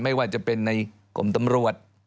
ไม่ว่าจะเป็นในกรมตำรวจ